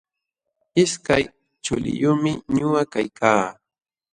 Ishkay chuliyumi ñuqa kaykaa.